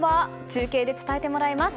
中継で伝えてもらいます。